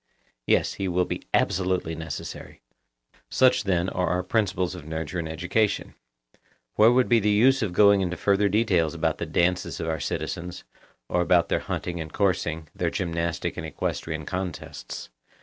Yes, he will be absolutely necessary. Such, then, are our principles of nurture and education: Where would be the use of going into further details about the dances of our citizens, or about their hunting and coursing, their gymnastic and equestrian contests?